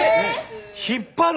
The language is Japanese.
引っ張る？